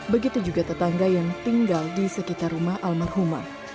begitu juga tetangga yang tinggal di sekitar rumah almarhumah